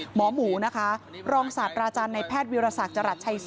หมอหมูนะคะรองศาสตราจารย์ในแพทย์วิรสักจรัสชัยศรี